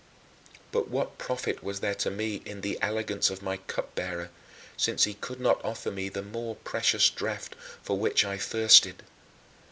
But what profit was there to me in the elegance of my cupbearer, since he could not offer me the more precious draught for which I thirsted?